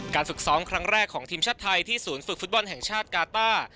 ฝึกซ้อมครั้งแรกของทีมชาติไทยที่ศูนย์ฝึกฟุตบอลแห่งชาติกาต้า